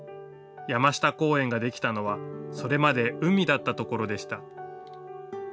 山下公園ができたのはそれまで海だったところでした。